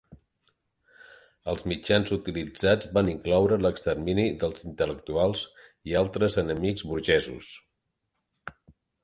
Els mitjans utilitzats van incloure l'extermini dels intel·lectuals i altres enemics burgesos.